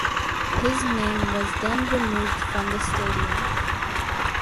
His name was then removed from the stadium.